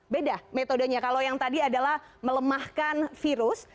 beda metodenya kalau yang tadi adalah melemahkan virus